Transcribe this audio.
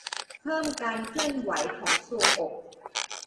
เพิ่มการเคลื่อนไหวของทรวงอก